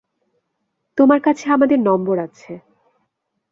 তোমার কাছে আমাদের নম্বর আছে।